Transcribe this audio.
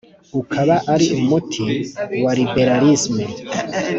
ukaba ari umuti wa libéralisme,